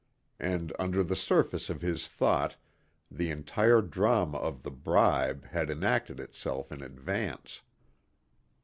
And under the surface of his thought the entire drama of the bribe had enacted itself in advance.